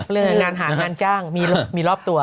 มีงานหางานจ้างมีรอบตัว